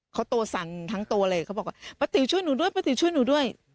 เขาตัวสั่นทั้งตัวเลยเขาบอกว่าป้าติ๋วช่วยหนูด้วยป้าติ๋วช่วยหนูด้วย